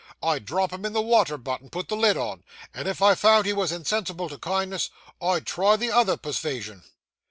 I'd drop him in the water butt, and put the lid on; and if I found he was insensible to kindness, I'd try the other persvasion.